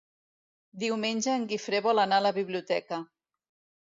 Diumenge en Guifré vol anar a la biblioteca.